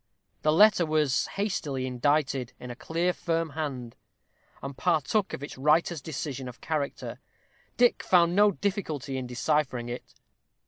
The letter was hastily indited, in a clear, firm hand, and partook of its writer's decision of character. Dick found no difficulty in deciphering it.